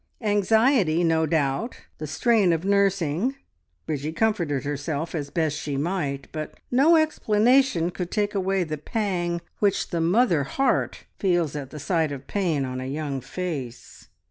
Anxiety, no doubt, the strain of nursing Bridgie comforted herself as best she might, but no explanation could take away the pang which the mother heart feels at the sight of pain on a young face!